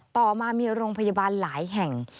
ต่อมามีโรงพยาบาลหลายแห่ง